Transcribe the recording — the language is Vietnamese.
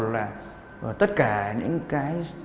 là tất cả những cái